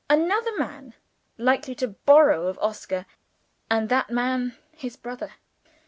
Another man likely to borrow of Oscar and that man his brother!